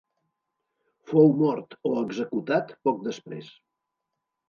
Fou mort o executat poc després.